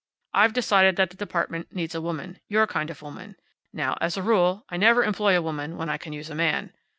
I've decided that that department needs a woman, your kind of woman. Now, as a rule, I never employ a woman when I can use a man.